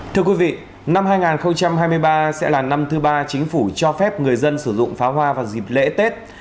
thưa quý vị năm hai nghìn hai mươi ba sẽ là năm thứ ba chính phủ cho phép người dân sử dụng pháo hoa vào dịp lễ tết